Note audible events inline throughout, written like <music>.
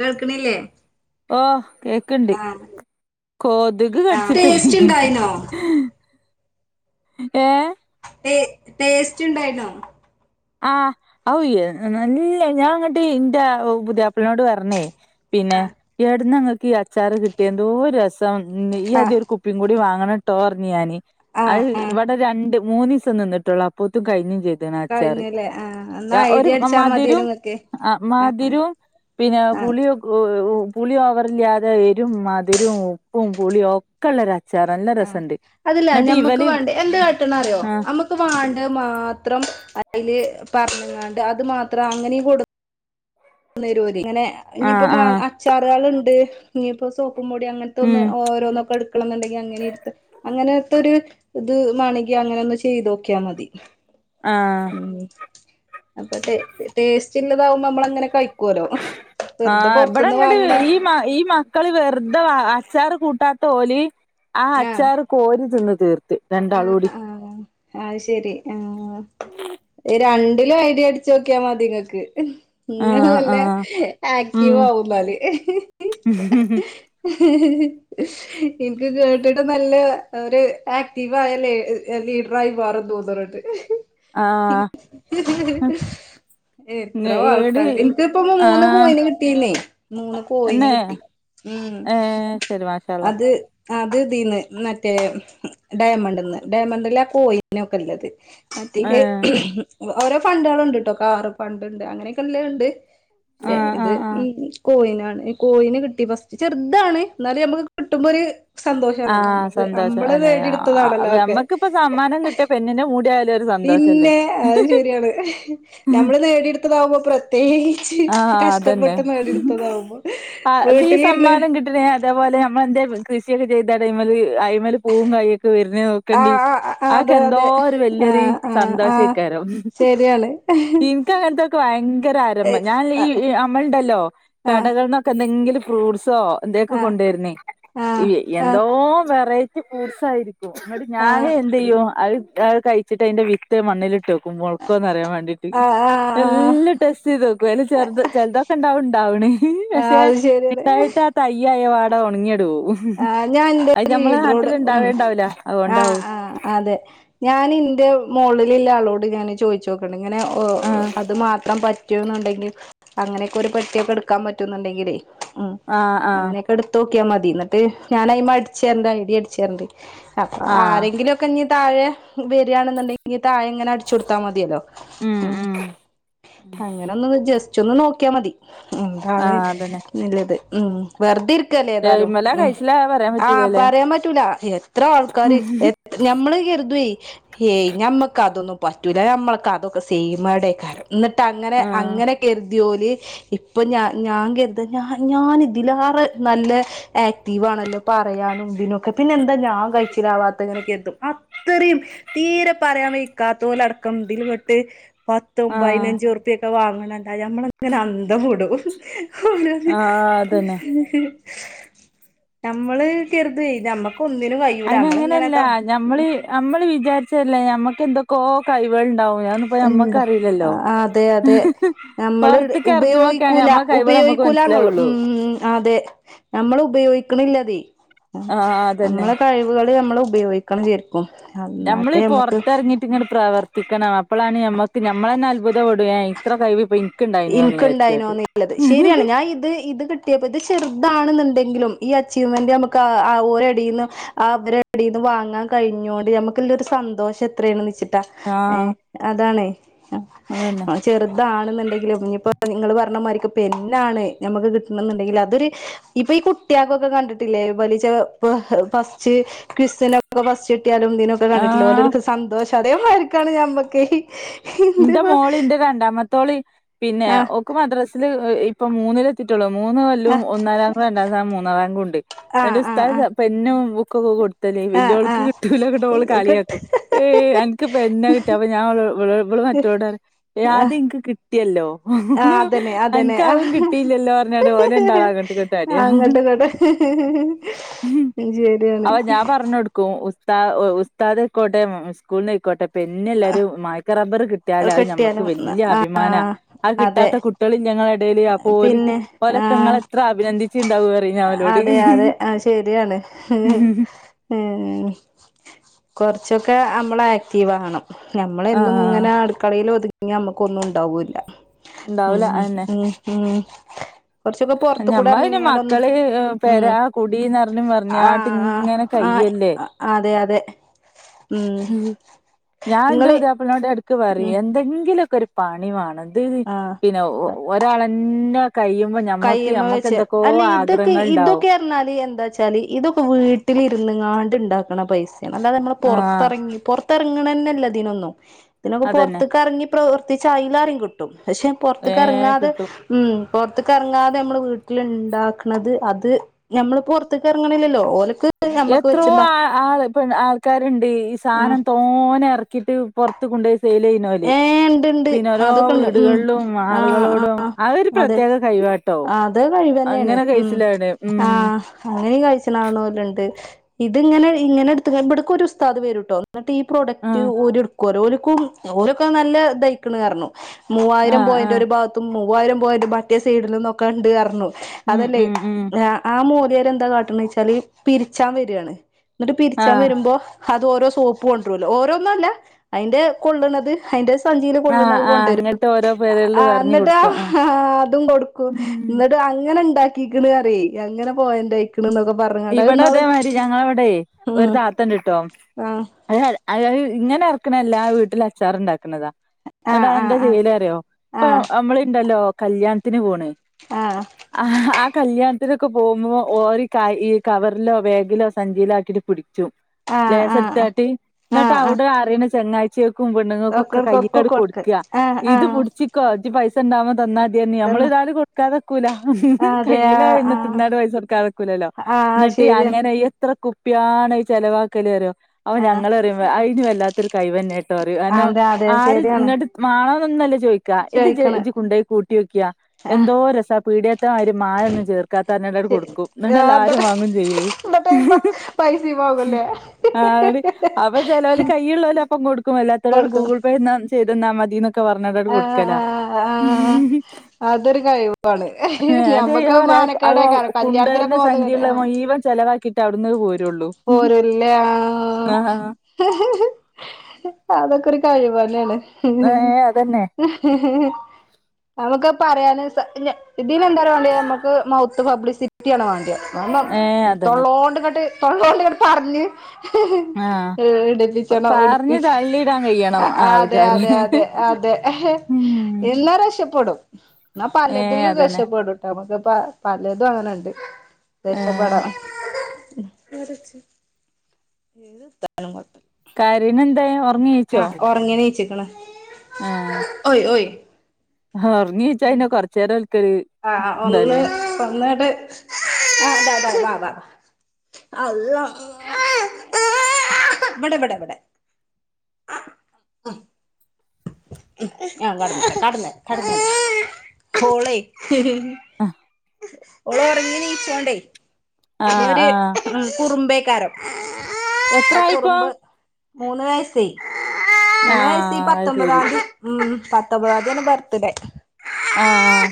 കേൾക്കണില്ലേ ഓഹ് കേക്ക്ണ്ട് ആ കൊത്ക് ആ കടിച്ചിട്ടേ ടേസ്റ്റ് ഉണ്ടായിനോ ഏഹ് ടേ ടേസ്റ്റ് ണ്ടായിനോ? ആഹ് ഔ യ നല്ല ഞാൻ ങ്ങട്ട് ന്റെ പുതിയാപ്പ്ൾനോട് പർഞ്ഞേ പിന്നെ ആ ഏട്ന്നാ ങ്ങക്കീ അച്ചാറ് കിട്ടിയേ ന്തോ രസം ന്ന് ആ ഇയ്യാദ്യരു കു പ്പിം കൂടി വാങ്ങണട്ടോ പർഞ്ഞ് ഞാന് ആ അഅ് ആ വടെ രണ്ട് മൂന്നീസം നിന്ന്ട്ടുള്ളൂ അ പ്പോത്തും കഴിഞ്ഞും ചെയ്ത്ണ് ആ അച്ചാറ് ല്ലെ ആഹ് ആ എന്നാ ദാ ഒര് ഐഡിയ അടിച്ചാ മതിയല്ലോ മദിരും ഇങ്ങക്ക് ആഹ് മദിരും പിന്നെ ആ പുളിയു പുളി ഓവറില്ല്യതെ എരും, മധ്‌രും, ഉപ്പും, പുളിയൊ ക്കെള്ളൊര് അച്ചാറ് നല്ല ആ രസണ്ട് അതല്ല ന്ന്ട്ട് ഇവല് ആഹ് ക്ക് വാണ്ടെ മാത്രം അയില് പറഞ്ഞ്ങ്ങാണ്ട് അത് മാത്രം അങ്ങനെ കൊട് ന്നേരും ഓര് ഇങ്ങനെ ഇനിപ്പോ ആഹ് ആഹ് അച്ചാറാള്ണ്ട് ഇനിപ്പോ സോപ്പും പൊടി അങ്ങ ത്തൊന്ന് ഉം ഓരോന്നൊക്കെട് ക്കണന്ന്ണ്ടെങ്കി അങ്ങനെര്ത്താ. അങ്ങനത്തൊര് ഇത് മാണെങ്കി അങ്ങനൊന്ന് ചെയ്തോക്കിയാ മതി. ആഹ് ഉം അപ്പൊ ടേ ടേസ്റ്റ് ഇല്ലതാവുമ്പോ നമ്മളങ്ങനെ കയി ക്കോലോ, വെറുതെ ആഹ് ഇബടെ പൊറത്ത്ന്ന് ഇങ്ങട്ട് വാങ്ങ്ണെ ഈ മ ഈ മക്കള് വെറുത വാ അച്ചാറ് കൂട്ടാത്ത ഓല് ആ ആഹ് അച്ചാറ് കോരി തിന്ന് തീർത്ത് രണ്ടാളൂടി. ആഹ് ആഹ് അത് ശെരി ആഹ് ഈ രണ്ടിലും ഐഡ അടിച്ചോക്കിയാ മതി ഇങ്ങൾക്ക് ഇങ്ങള് ആഹ് നല്ല ആഹ് ഉം ആക്റ്റീവാവും ഇന്നാല് <inaudible> <inaudible> ഇൻക്ക് കേട്ടിട്ട് നല്ല ഒര് ആക്റ്റീവായ ലേ ഏഹ് ലീഡറായി മാറും തോന്ന്ണ് ണ്ട്. ആഹ് <inaudible> എത്രയോ ഈട് ആൾക്കാര്ത് ഇൻക്കിപ്പോ മൂന്ന് ആഹ് കോയിന് കി കിട്ടീല്ലേ മൂന്ന് കോയിന് എന്നേ കിട്ടി. ഹ്മ്മ് ഏഹ് ശരി മാഷാ അല്ലാഹ് അത് അത് ഇതീന്ന് മറ്റേ ഡയമണ്ട്ന്ന് ഡയമണ്ടിലാ ആ കോയിനൊക്കെ ഉള്ളത് മറ്റേല് ഏഹ് ഓരോ ഫണ്ടേള്ണ്ട്ട്ടോ കാറ് ഫണ്ട് ഇണ്ട് അങ്ങനെയൊക്കെല്ലേണ്ട്. പക്ഷെ ആഹ് ഇത് ആഹ് ആഹ് ഹ്മ്മ് കോയിനാണ്. കോയിന് കിട്ടി ഫസ്റ്റ്, ചെറുതാണ് ഇന്നാലും നമുക്ക് കിട്ടുമ്പോര് സന്തോഷാണല്ലോ. ആഹ് നമ്മക്ക് നമ്മള് നേടിയെടുത്തതാണല്ലോ അതൊ ക്ക്പ്പം സമ്മാനം കിട്ടിയെ പെന്നിന്റെ മൂടി ആയാലും ഒരു സന്തോഷല്ലേ ഇന്നെ അത് ശരിയാണ്. നമ്മള് നേടിയെടുത്തതാവുമ്പോ പ്രെ തേച്ച് ആഹ് അതന്നെ കഷ്ടപ്പെട്ട നാടിടുത്തതാവുമ്പോ ആഹ് ഈ വീട്ടിലിരുന്ന് സമ്മാനം അതേപോലെ നമ്മളെ എന്തേ കൃഷിയൊക്കെ ചെയ്ത് ടൈമില് അയിമല് പൂവും കായ് ഒക്കെ വരുന്നത ക്കണ്ടി ആഹ് ആഹ് ആഹ് ആ ഒക്കെ അതെ എന്തോ അതെ ഒരു വല്യയൊരു ആഹ് ആഹ് സന്തോഷയ്ക്കാരം ആഹ് ശരിയാണ് ഇൻക്ക് അങ്ങനത്തെ ഭയങ്കര ആരംഭം ഏഹ് ഞാൻ ഈ ആഹ് അമ്മളുണ്ടല്ലോ കടകളിന്നൊക്കെ എന്തെങ്കിലും ഫ്രൂട്ട്സോ എന്തൊക്കെ ആഹ് കൊണ്ടുവരുന്നേ ആഹ് ആഹ് എന്തോ വെറൈറ്റി ഫ്രൂട്‌സ് ആയിരിക്ക ട് ഞാന് ആഹ് എന്ത് ചെയ്യും അ കഴിച്ചിട്ട് അതിന്റെ വിത്ത് മണ്ണിൽ ഇട്ട് മൊൾക്കോന്ന് അറിയാൻ വേണ്ടിട്ട് ആഹ് ആഹ് ആഹ് എല്ല ടസ്റ്റ് ചെയത് നോക്കും അയ്ല് ചെറു ചെൽതൊക്കെ ഉണ്ടാവ്ണ് ആഹ് പക്ഷെ അത് ശരിയാണ് ഇണ്ടായിട്ട് തയ്യായ വാട ഉണങ്ങിയട് പോവും ആ ഞാൻ അത് ഞമ്മളെ <unintelligible> നാട്ടിൽ ഉം ഇണ്ടാവേണ്ടാവൂല ആഹ അതുകൊണ്ടാവും ആഹ അതെ ഞാൻ ഇന്റെ മോളിലുള്ള ആളോട് ഞാൻ ചോദിച്ചു <unintelligible> ഇങ്ങനെ ആഹ് അത് മാത്രം പറ്റ പറ്റുണ്ടെങ്കിൽ അങ്ങനെയൊക്കെ ഒരു പറ്റിയൊക്കെ എടുക്കാൻ പറ്റുന്നുണ്ടെങ്കിലേ ഉം ആഹ് ആഹ് അങ്ങനെ എടുത്ത് നോക്കിയാൽ മതി എന്നിട്ട് ഞൻ അയിമ അടിച്ചരണ്ട് ഐഡിയ അടിച്ച തരണ്ട് അപ്പ ആഹ് ആരെങ്കിലും ക്കെ ഇനി താഴെ വരികയാണെന്നുണ്ടെങ്കനി താഴെ ഇങ്ങനെ അടിച്ച കൊടുത്താൽ മതിയല്ലോ ഉം അങ്ങനെ ഒന്ന് ജസ്റ്റ് ഒന്ന് നോക്കിയാ മതി എന്താണ് ആഹ് അതന്നെ നല്ലത് ഉം വെറുതെ ഇരിക്കല്ലേ ഏതായാലും എയ്മല ഉം കഴിച്ചില പറയാൻ ആഹ് പറ്റൂലല്ലേ പറയാൻ പറ്റൂല എത്ര ആൾക്കാര് എ ആഹ് ഞമ്മള് കരുതു വെയ് ഏയ് ഞമ്മക്ക് അതൊന്നും പറ്റൂല്ല ഞമ്മൾക്ക് അതൊക്കെ സെയ്യ്മടെ യ്കാരം എന്നിട്ട് അങ്ങനെ അങ്ങനെ കര് ജോലി ഇപ്പൊ ഞാ ഞാൻ കരുതും ഞാൻ ഇതിലാറെ നല്ല ആക്റ്റീവ് ആണല്ലോ പറയാനും ഇതിനൊ ഒക്കെ പിന്നെന്താ ഞാൻ കഴിച്ചിലാവാത്തങ്ങനെയൊക്കെ കര്തും ഇത്രയും തീരെ പറയാൻ വെക്കാത്ത ഓലെ അടക്കം ഇതിൽ പെട്ട് പത്തും ആഹ് പതിനഞ്ച ഉറുപ്പ്യൊക്കെ വാങ്ങണണ്ട ഞമ്മള അങ്ങനെ അന്തം വിടും ഓരോന്ന് ആഹ് അതന്നെ നമ്മള് കര്തുംനമ്മക്ക് ഒന്നിന് വായ്യ അന് അങ്ങനെയല്ല മ്മള് നമ്മള് വിചാരിച്ചതല്ലേ ഞമ്മക്ക് എന്തൊക്കോ കൈവുകൾ ഉണ്ടാവും ഞ ഉണ്ടോ അതെ അതെ നമ്മൾ പൊറത്തേക്ക് എറങ്ങുമ്പോക്കാണ് ഉപയോഗിക്കൂല നമ്മളെ കഴിവുകള് നമ്മക്ക് ഉപയോഗിക്കൂലന്നുള്ളൂ മനസ്സിലാവുള്ളൂ ഉം ഉം അതെ നമ്മൾ ഉപയോഗിക്ക്ണില്ലതെ ആഹ് അതന്നെ നമ്മളെ കഴിവുകൾ നമ്മൾ ഉപയോഗിക്ക ക്കണം ശെർക്കും നമ്മളി പൊർത്തെർങ്ങി ട്ട് ങ്ങട് പ്രവർത്തിക്കണം അപ്പോളാണ് നമ്മക്ക് ഞമ്മൾ തന്നെ അത്ഭുതംപ്പെടും ഏ ഇത്ര കഴിവി ഇപ്പം ഇൻ ഇൻക്ക്ണ്ടായിനോന്ന്ള്ളത് ശരിയാണ് ഞാൻ ഇത് ഇത് കിട്ട ഇത് ചെറുതാണെന്നുണ്ടെങ്കിലും ഈ അച്ചീവ്മെന്റ് നമുക്ക് ഓരടേന്ന് അവരെ എവിടെന്ന് വാങ്ങാൻ കഴിഞ്ഞോണ്ട് നമുക്ക് ഒരു സന്തോഷം എത്രയാണ് നമുക്ക് ചി ഏ ആഹ് അതാണ് അതന്നെ ചെറുതാണെന്നുണ്ടെങ്കിലും ഇപ്പോ നിങ്ങള് പറഞ്ഞ മാതിരിക്ക പെന്നാണ് നമുക്ക് കിട്ടണ എന്നുണ്ടെങ്കിൽ അതൊരു ഇപ്പൊ ഈ കുട്ടിയക്കൊക്കെ കണ്ടിട്ടില്ലേ വലി ച്ച ഫസ്റ്റ് ക്വസ്നൊക്കെ ഫസ്റ്റിട്ടിയാലും തിനൊക്കെ കണ്ടിട്ടില്ല ആഹ് ഓലെടുക്ക് സന്തോഷ അതേ മതിരിക്കാണ് ഞമ്മക്കെ ഇന്റെ മോള് ഇന്റെ രണ്ടാമത്തോള് പിന്നെ ആ ഓക്ക് മദ്രസില് ഇപ്പൊ മൂന്നില് ട്ടുള്ളൂ മൂന്ന് ആ കൊല്ലും ഒന്നാം റാങ്കും രണ്ടാം സ മൂന്നാം റാങ്കും ഉണ്ട് ആഹ് ങ്ങട്ട് ഉസ്താ ആഹ് ആഹ് പെന്നും ബുക്കൊക്കെ കൊടുത് ല്ലേ ആഹ് വല്യോൾക്ക് കിട്ടൂല ങ്ങട്ട് ഓള് ആഹ് കിട്ട് കളിയാക്കും അൻക്ക് പെന്നാ കിട്ടും അപ്പൊ ഞാ ഓളോ ഇവള് മറ്റോളോട് പറയും ഏ അത് ആഹ് ഇൻക്ക് കി കിട്ടിയല്ലോ ആഹ് അതന്നെ അതന്നെ അൻക്ക് അഉം ആഹ് കിട്ടിയില്ലല്ലോ പറഞ്ഞാട്ട് ഓല് രണ്ടാളും അങ്ങോട്ട് ഇങ്ങട്ടും അടിയാ ആ ഇങ്ങട്ട് ഇങ്ങട്ട് അപ്പം ഞാൻ പറഞ്ഞൊടുക്കും. ഉസ് താ ഉസ്താദായിക്കോട്ടെ സ്കൂൾന്ന് ആയിക്കോട്ടെ പെന്ന് എല്ലാരും മായ്ക്കാ റബ്ബർ കി ട്ടിയാൽ അത് ഞമ്മക്ക് കെട്ടിയാലും വല്യ അഭിമാനാ. ആഹ് അത് അതെ കിട്ടാത്ത കുട്ടിയേള് ഇല്ലേ ഇങ്ങളെ എടേല്. അപ്പോലിക്ക് പിന്നെ ഓലൊക്കെ ഇങ്ങളെ ആഹ് എത്ര അഭിനന്ദിച്ചീണ്ടാവും പറിം ഓലോട്. അതെ അതെ ഏഹ്. കൊറച്ചൊക്കെ നമ്മളാക്റ്റീവ് ആവണം. നമ്മളെന്നും ആഹ് അടുക്കളേൽ ഒതുങ്ങ്യ നമുക്കൊന്നും ഉണ്ടാവൂല്ല. ഉം ഇണ്ടാവൂല ഉം ഉം കൊറച്ചൊക്കെ പൊറത്ത് കൂടെ ഞമ്മളെ പിന്നെ എറങ്ങിങ്ങാണ്ടൊന്ന് മക്കള് ഉം പെരാ കുടീ നർഞ്ഞു പർഞ്ഞാട്ട് ആഹ് ഇങ്ങനെ ആഹ് കയ്യല്ലേ. അതെ അതെ ഉം ഉഹും. ഞാൻ ഇന്റെ ഇങ്ങള് പുതാപ്പ്യൾനോട് എടക്ക് പറിം. ഉം എന്തെങ്കിലു ഒക്കൊരു പണി വാണം തെത് ആഹ് പിന്നെ ഒരാളന്നെ കയ്യുമ്പം ഞമ്മക്ക് കയ്യ്മ്മ ഞമ്മക്ക് എന്തൊക്കോ ആഗ്രഹങ്ങൾ ഉണ്ടാവും. ണാല് എന്താ വെച്ചാല് ഇതൊക്കെ വീട്ടിലിരുന്ന്ങ്ങാണ്ട് ഉണ്ടാക്കണ പൈസ <unintelligible> അല്ലാതെ നമ്മള് ആഹ് പുറത്തിറങ്ങി പൊറത്തെർങ്ണെന്നല്ല ഇതിനൊന്നും ഇതിനൊക്കെ അതന്നെ പൊർത്ക്കറങ്ങി പ്രവർത്തിച്ച അയ്ലാറിം കിട്ടും. പക്ഷെ പൊർത്ത്ക്ക് വേം അർങ്ങാതെ കിട്ടും ഉം പൊർത്ത് ക്കർങ്ങാതെ നമ്മള് വീട്ടില് ണ്ടാക്ണത് അത് ഞമ്മളിപ്പോ പുറത്തേക്ക് എർങ്ണില്ലല്ലോ. ഓലക്ക് ഞമ്മക്ക് എത്രയോ വെച്ചിണ്ടാ ആ ആൾ ആൾക്കാരുണ്ട് ഈ ആഹ് സാനം തോ പോനെ എർക്കിട്ട് പൊർത് കൊണ്ടോയി സെയിലെയ്യ്ണോല് ഏഹ് ഇണ്ട് ഇണ്ട് പിന്നെ ഓരോ അതൊക്കെ ഇണ്ട് ഉം വീടുകളിലും ആ ആളുകളോടും അ ഒരു അതെ പ്രത്യേക കഴ്‌വാ ട്ടോ അത് കഴിവെന്നേണ് അങ്ങനെ ഉം കയ്ച്ചിലാവ്ണത് ഉം ആഹ് അങ്ങനിം കയ്ച്ച്ണാവ്ണോല് ണ്ട്. ഇത് ഇങ്ങനെ ഇങ്ങനെ ഇട്ത്ത് ഇബടക്കൊര് ഉസ്താദ് വരുട്ടോ. ഇന്നട്ട് ഈ പ്രോഡക്റ്റ് ആഹ് ഓര്ട്ക്കോല്ലോ. ഓൽക്കും ഓരൊക്കെ നല്ല ഇദായ്ക്ക്ണ് പർഞ്ഞു. മൂവായിരം ആഹ് പോയന്റ് ആഹ് ഒരു ഭാഗത്തും മൂവായിരം പോയിന്റ് മറ്റേ സൈഡിലും ന്നൊക്കെ ണ്ട് പർണു. ഉം അതല്ലേ. ഉം ഉം ആ മോല്യാര് എന്താ കാട്ട്ണ്ന്ന് വെച്ചാല് പിരിച്ചാൻ വരാണ്. എന്നിട്ട് പിരിച്ചാൻ ആഹ് വരുമ്പോ അത് ഓരോ സോപ്പ് കൊണ്ടരോല്ലോ ഓരോന്നും അല്ല അയിന്റെ കൊള്ളണത് ഹയ്ന്റെ സഞ്ചിയില് കൊളള്ണത് ആഹ് അത് ആഹ് കൊണ്ടൊരും അങ്ങട്ട് ഓരോ പേരുകളില് ആഹ് പറഞ്ഞു ഇന്നട്ട് കൊടുക്കും ആ അതും കൊടുക്കും ഉം ഇന്നട്ടും അങ്ങനെ ഇണ്ടാ ക്കക്ക്ണ് പർയേ അങ്ങനെ പോയന്റായ് ക്ക്ണ് ന്നൊക്കെ പർഞ് ഇവടെ ഇതേമായിരി ഞങ്ങളവെടെ ഒരു താത്ത ണ്ട് ട്ടോ. ആഹ് അത് ത് ഇങ്ങനെ എർക്കണല്ലാ. വീട്ടിലച്ചാറ് ഉണ്ടാക്ക്ണതാ. ഇന്നട്ട് ആഹ് അതെന്താ ആഹ് ചെയ്യല് അറിയോ, ഇപ്പൊ ആഹ് നമ്മള് ഇണ്ടല്ലോ കല്യാണത്തിന് പോണ്. ആഹ് അഹ്. ആ കല്യാണത്തിനൊക്കെ പോകുമ്പോ ഓര് കയ് കവറിലോ, ബേഗിലോ, സഞ്ചിയിലോ ആക്കിട്ട് പിടിച്ചും. ആഹ് ലേസട് ട്ടാട്ടി ആഹ് ആഹ് ഇന്നട്ട് ആഹ് ആഹ് അവ്ടെ അറിണ ചങ്ങായ് ച്ച്യേക്കും, പെണ്ണുങ്ങക്കും ഒക്കെ കയ്യ് ക്കാട് കൊടുക്ക് കൊടുക്കാ. ആഹ് ഇത് ആഹ് പുടിച്ചി ക്കൊ ഇജ്ജ് പൈസ ണ്ടാവുമ്പം തന്നാ മതിയർഞ്, നമ്മള് തന്ന് എതാലും കൊടുക്കാതെ ക്കൂല. അതെ ആഹ് കയ്യിലായാ പിന്നെ ആഹ് തിന്നാതെ പൈസ കൊടുക്കാതെക്കൂലല്ലോ. ആഹ് ശരിയാണ് അയ് എത്ര കുപ്പ്യാണത് ചെലവാക്കല് അറ്യോ. അപ്പം ആഹ് ഞങ്ങൾ പറിം. അയ്നു വല്ലാത്തൊരു കയ് വെന്നേ ട്ടോ റിം. കാര്ണം അതെ അതെ ആരും ശരിയാണ് ഇങ്ങട്ട് മാണോന്നൊന്നും അല്ല ചോയിക്കാ, ഇത് ഇജ്ജ് ചോയിക്കണ് ജ്ജ് കൊണ്ടോയി കൂട്ട്യോക്കിയാ ആഹ് എന്തോര് രസാ. പീട്യേത്ത മായിരി മായൊന്നും ചേർക്കാത്താ പർഞ്ഞാണ്ടാണ്ട് ശരി കൊടുക്കും. ഇന്നട്ടെല്ലാ രും എന്നിട്ട് വാങ്ങും ചെയ്യും അത്. പൈസയും പോകല്ലേ ആഹ് ഇന്നട് അപ്പം ചെലോല് കൈയ്യ്ള്ളോല് അപ്പം കൊടുക്കും. അല്ലാത്തോരോട് കൊടുക്കും ഗൂഗിൾ പേ ന്നാ ചെയ്തെന്നാ മതിന്നൊ ക്കെ പർഞ്ഞാണ്ടാണ്ട് ആഹ് കൊടുക്കലാ. ആഹ് അതൊരു കഴിവാണ്. അത് ഞാൻ ഞമ്മക്കത് പറയാ അത് മാനക്കേടേക്കാരം. കല്യാണത്തിലൊക്കെ കൊണ്ടുവരുന്ന പോന്ന്ങ്ങാണ്ട് സഞ്ചിയുള്ള മുഴുവൻ ചെലവാക്കിയിട്ട് അവ്ടുന്നത് പോരും പോരുല്ലാ ആഹ് അതൊക്കെ ഒരു കഴിവ് തന്നേണ് ഏഹ് അതന്നെ ഹ്ഹ്ഹ് നമുക്കത് പറയാന് ന് ഇതിന് എന്താറ്യോ വാണ്ട്യേ നമുക്ക് മൗത്ത് പബ്ലിസിറ്റിയാണ് വാണ്ട്യേത് ഏഹ് <unintelligible> അതന്നെ തൊള്ളോണ്ട്ങ്ങെട്ട് തൊള്ളോണ്ട്ങ്ങെട്ട് പർഞ്ഞ് ആഹ് <unintelligible> ഇട്ക് പറഞ്ഞ് തള്ളിയിടാൻ കഴിയണം അതെ ആൾക്കാരെ അതെ അതെ അതെ ഉം എന്നാ രഷപ്പെടും ന്നാ ഏഹ് പലതിലും അതന്നെ രഷപ്പെടും നമുക്ക്പ്പ പലതും അങ്ങനെണ്ട് ഏഹ് രഷപ്പെടാം <unintelligible> കരീണ്‌ണ്ടേ ഒ ആഹ് ഒർങ്ങി നീച്ചിക്ക്ണ് ഓയ് ഓയ് ഒർങ്ങീച്ചാ ഉം പിന്നെ കൊർച്ചേരം ഓൽക്കൊര് ആഹ് ആഹ് ഒന്ന് ഒന്ന്ങ്ങെട്ട് ആഹ് ബാ ബാ ബാ ബാ അള്ളാ ഇബെടെ ബെടെ ബെടെ അഹ് <unintelligible> കാട്ടല്ലേ കാട്ടല്ലേ ഓളെ ആഹ് ഓള് ഒർങ്ങി നീച്ചാണേ ഒര് ആഹ് കുറ്മ്പേയ്ക്കാരം ആ എത്രായിപ്പോ കുറുമ്പ് മൂന്ന് വെയസ് മൂന്ന് വയസ് ഈ ആഹ് അത് ശരി പത്തൊമ്പതാംന്തി ഉം പത്തൊമ്പതാംന്ത്യാണ് ബർത്ത്ഡേ ആഹ്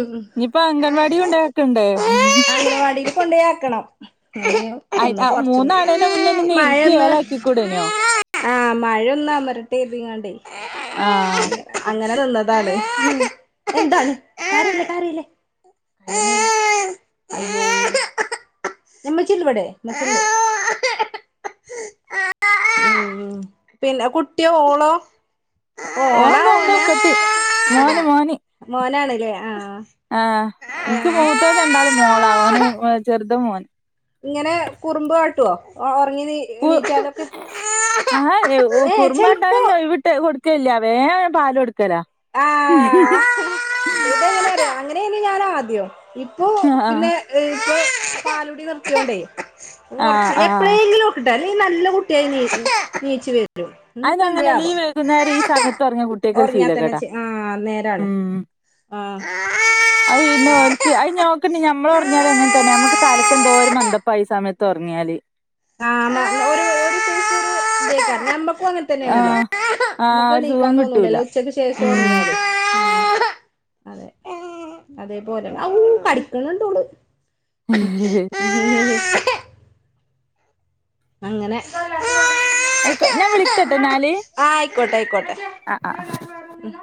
ഉം ഞ്ഞിപ്പ അംഗൻവാടി കൊണ്ടയാക്കണ്ടേ കൊണ്ടെയാക്കണം അയ് ഒന്ന് ആഹ് കൊർച്ച് കൂ മൂന്നാണേന്റെ മുന്നേ നിന്നെ ഇരുത്തി മയൊന്ന് ഏലാക്കിക്കൂടേനോ ആഹ് മഴൊന്ന് അമരട്ടേര്തിക്കാണ്ടേ ആഹ് അങ്ങെനെ നിന്നതാണ് എന്താണ് കരെയെല്ലേ കരെയെല്ലേ <unintelligible> ഇമ്മച്ചിണ്ട് ബടെ ഇമ്മച്ചിണ്ട് ഉം പിന്നെ കുട്ടി ഓളോ ഓളാ ഓൻതാ ന്റെ ഒക്കെത്ത് മോന് മോന് മോനാണ്ലേ ആഹ് ആഹ് ഇൻക്ക് ഏഹ് മൂത്തോല് രണ്ടാളും മോളാ ഓന് ചെറ്ത് മോൻ ഇങ്ങെനെ കുറ്മ്പ് കാട്ട്വോ ഒ ഒർങ്ങി നീ കു എണീറ്റാലൊക്കെ ആഹ് ഏ ഏഹ് ചെലപ്പോ കുറ്മ്പാട്ടാനൊന്നും ഒയ്‌വ് ട്ട് കൊട്ക്കേല്ലാ വേം പാലൊട്ക്കെലാ അങ്ങെനേനീ ഞാനാദ്യം ഇപ്പൊ ആഹ് പിന്നെ ആഹ് ഇപ്പം പാലുടി നിർത്ത്യാേണ്ടേ ആഹ് കൊർച്ച് ആഹ് എപ്ലേങ്കിലു ഒക്ക്ട്ട അല്ലെ നല്ല കുട്ട്യായി നീ നീച്ച് വെ രും അതങ്ങനെ ഇന്നിപ്പെന്ത്യാവാേ ലീവ് വൈകുന്നേരം ഈ സമയത്ത് ഉറങ്ങിയ കുട്ടികൾക്ക് ഒരു ഒർങ്ങ്യാ തന്നെ ശീലക്കേടാ ചെ ആഹ് നേരാണ് ആഹ് അത് പിന്നെ ഓൽക് അത്ഞ്ഞോക്കെണ്ടി ഞമ്മളാെർങ്ങ്യാലും അങ്ങൻ തന്നെ ഞമ്മക്ക് തലക്കെന്തോ ഒര് മന്തപ്പായി സ സമയത്ത് ഒർങ്ങ്യാല് ആഹ് മ ഒരു ഒര് സെയ്സ് തേക്കാര് ഞമ്മക്കും അങ്ങൻ തന്നേണെല്ലോ ആഹ് ആഹ് ഞമ്മക്ക് ഒരു സുഖം എണീക്കാം കിട്ടൂല തോന്നൂലല്ലോ ഉച്ചക്ക് ശേഷം ഉം ഒർങ്ങ്യാല് ഉം അതെ അതേ പോലെ അവൂ കടിക്ക്ണ്‌ണ്ടോള് അങ്ങനെ അയ്ക്കൊ ഞാൻ വിളിക്കട്ടാെന്നാല് ആഹ് ആഹ് ആഹ് ഉം